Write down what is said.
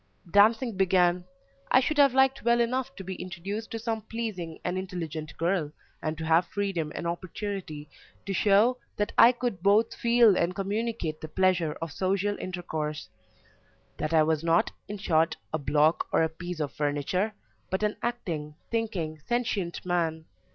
Dancing began; I should have liked well enough to be introduced to some pleasing and intelligent girl, and to have freedom and opportunity to show that I could both feel and communicate the pleasure of social intercourse that I was not, in short, a block, or a piece of furniture, but an acting, thinking, sentient man.